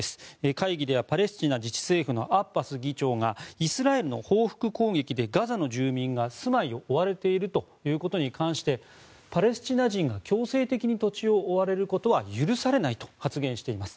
会議ではパレスチナ自治政府のアッバス議長がイスラエルの報復攻撃でガザの住民が、住まいを追われていることに関してパレスチナ人が強制的に土地を追われることは許されないと発言しています。